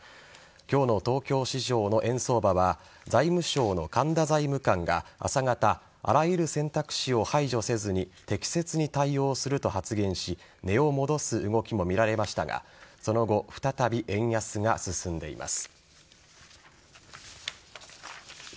今日の東京市場の円相場は財務省の神田財務官が朝方あらゆる選択肢を排除せずに適切に対応すると発言し値を戻す動きもみられましたがその後、再び円安が進んでいます。